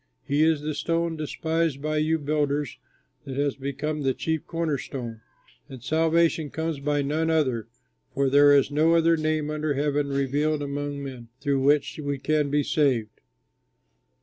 He is the stone despised by you builders that has become the chief corner stone. And salvation comes by none other, for there is no other name under heaven revealed among men through which we can be saved."